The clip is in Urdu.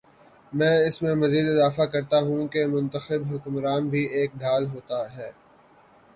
میں اس میں مزید اضافہ کرتا ہوں کہ منتخب حکمران بھی ایک ڈھال ہوتا ہے۔